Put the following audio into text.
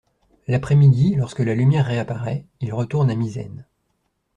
L'après-midi, lorsque la lumière réapparaît, il retourne à Misène.